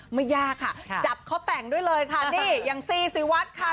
ไม่ยากค่ะจับเขาแต่งด้วยเลยค่ะนี่อย่างซีซีวัดค่ะ